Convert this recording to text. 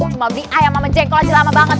cuma beli ayam sama jengkol aja lama banget